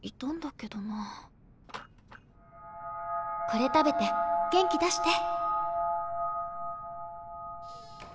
これ食べて元気出して！